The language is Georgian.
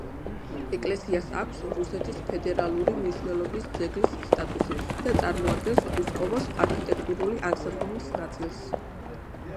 ეკლესიას აქვს რუსეთის ფედერალური მნიშვნელობის ძეგლის სტატუსი და წარმოადგენს კუსკოვოს არქიტექტურული ანსამბლის ნაწილს.